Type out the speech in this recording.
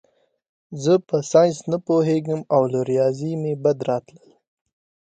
زه په ساینس نه پوهېږم او له ریاضي مې بد راتلل